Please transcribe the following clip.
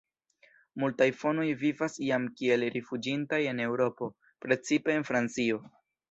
Multaj fonoj vivas jam kiel rifuĝintaj en Eŭropo, precipe en Francio.